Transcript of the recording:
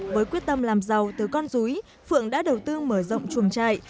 với quyết tâm làm giàu từ con rúi phượng đã đầu tư mở rộng chuồng trại